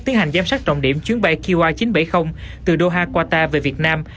tiến hành giám sát trọng điểm chuyến bay qy chín trăm bảy mươi từ doha qatar về việt nam